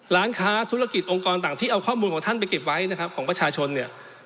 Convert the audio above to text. ร้านค้าธุรกิจองค์กรต่างที่เอาข้อมูลของท่านไปเก็บไว้นะครับของประชาชนเนี่ย